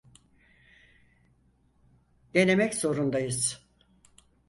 Denemek zorundayız.